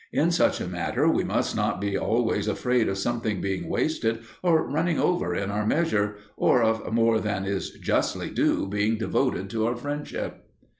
In such a matter we must not be always afraid of something being wasted or running over in our measure, or of more than is justly due being devoted to our friendship.